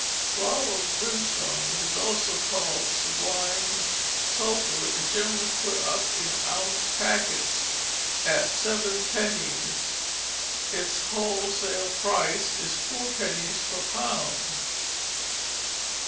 Flour of brimstone, which is also called sublimed sulphur, is generally put up in ounce packets at 7d.; its wholesale price is 4d. per pound.